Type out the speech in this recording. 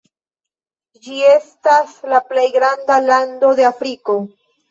Ĝi estas la plej granda lando en Afriko.